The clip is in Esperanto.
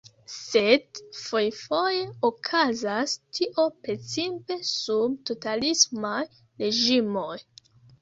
Sed fojfoje okazas tio precipe sub totalismaj reĝimoj.